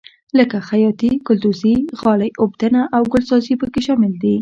لکه خیاطي ګلدوزي غالۍ اوبدنه او ګلسازي پکې شامل دي.